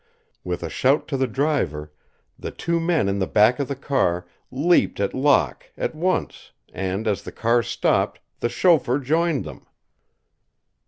With a shout to the driver, the two in the back of the car leaped at Locke at once, and, as the car stopped, the chauffeur joined them.